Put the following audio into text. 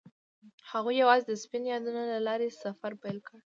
هغوی یوځای د سپین یادونه له لارې سفر پیل کړ.